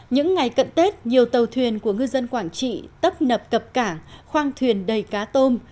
những ngày cận tết nhiều tàu thuyền của ngư dân quảng trị tấp nập cập cảng khoang thuyền đầy cá tôm